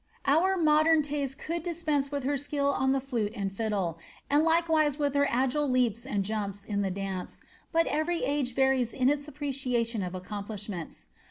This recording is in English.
Onr modern taste conld dispense with her skill on the Ante 8n< and likewise with her agile leaps and jumps in the dance, bnt e^ varies in its appreciation of accomplishments.